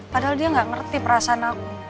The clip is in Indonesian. padahal dia nggak ngerti perasaan aku